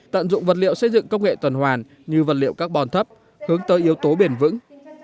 tận dụng vật liệu xây dựng công nghệ tuần hoàn như vật liệu carbon thấp hướng tới yếu tố bền vững